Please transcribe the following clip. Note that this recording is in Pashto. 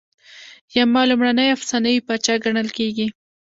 یما لومړنی افسانوي پاچا ګڼل کیږي